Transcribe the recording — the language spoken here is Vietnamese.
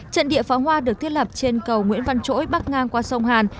trận địa pháo hoa được thiết lập trên cầu nguyễn văn chỗi bắc ngang qua sông hàn